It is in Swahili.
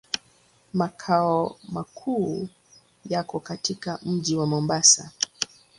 Makao makuu yako katika mji wa Mombasa.